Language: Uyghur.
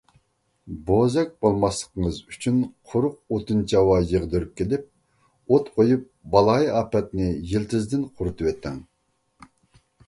بوزەك بولماسلىقىڭىز ئۈچۈن قۇرۇق ئوتۇن - چاۋا يىغدۇرۇپ كېلىپ ئوت قويۇپ بالايىئاپەتنى يىلتىزىدىن قۇرۇتۇۋېتىڭ.